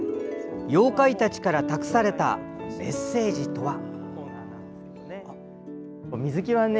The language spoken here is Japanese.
妖怪たちから託されたメッセージとは？